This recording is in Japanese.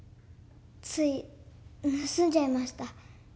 つい盗んじゃいました。